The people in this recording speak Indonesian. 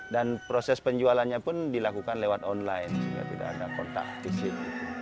dan proses penjualannya pun dilakukan lewat online sehingga tidak ada kontak fisik